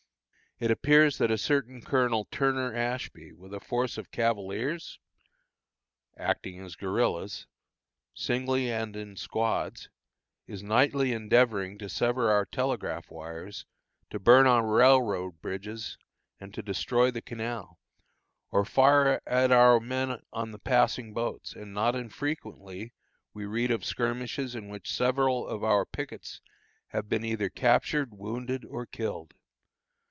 It appears that a certain Colonel Turner Ashby, with a force of cavaliers (?) acting as guerillas, singly and in squads, is nightly endeavoring to sever our telegraph wires, to burn our railroad bridges, and to destroy the canal, or fire at our men on the passing boats; and not unfrequently we read of skirmishes in which several of our pickets have been either captured, wounded, or killed.